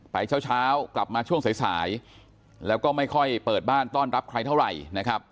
เช้ากลับมาช่วงสายแล้วก็ไม่ค่อยเปิดบ้านต้อนรับใครเท่าไหร่นะครับ